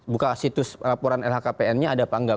buka situs laporan lhkpn nya ada apa enggak